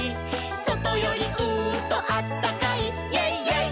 「そとよりうーんとあったかい」「イェイイェイ！